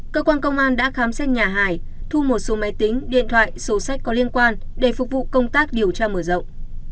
cơ quan công an đã khám xét nhà hải thu một số máy tính điện thoại số sách có liên quan để phục vụ công tác điều tra mở rộng